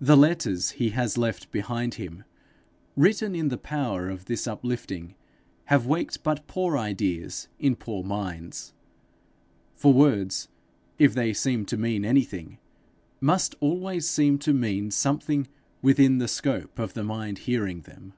The letters he has left behind him, written in the power of this uplifting, have waked but poor ideas in poor minds; for words, if they seem to mean anything, must always seem to mean something within the scope of the mind hearing them.